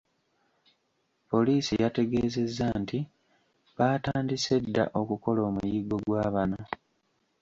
Poliisi yategeezezza nti, baatandise dda okukola omuyiggo gwa bano.